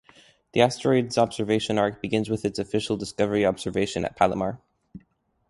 The asteroid's observation arc begins with its official discovery observation at Palomar.